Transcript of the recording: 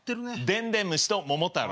「でんでんむし」と「桃太郎」。